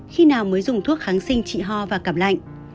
khi nào mới dùng thuốc kháng sinh trị ho và cảm lạnh